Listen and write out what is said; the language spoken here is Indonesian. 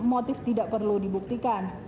motif tidak perlu dibuktikan